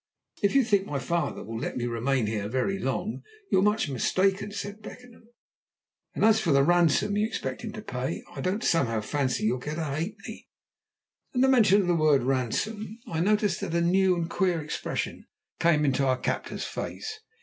"If you think my father will let me remain here very long you're much mistaken," said Beckenham. "And as for the ransom you expect him to pay, I don't somehow fancy you'll get a halfpenny." At the mention of the word "ransom" I noticed that a new and queer expression came into our captor's face.